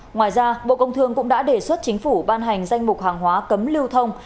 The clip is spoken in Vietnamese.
ngoài ra bộ công thương cũng đã đề xuất chính phủ ban hành danh mục hàng hóa cấm lưu thông